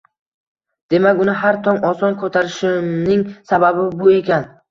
Demak uni har tong oson ko‘tarishimning sababi bu ekan